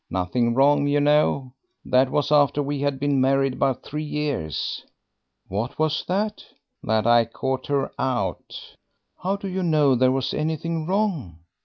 Nothing wrong, you know. That was after we had been married about three years." "What was that?" "That I caught her out." "How do you know there was anything wrong?